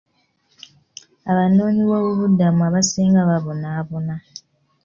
Abanoonyiboobubudamu abasinga babonaabona.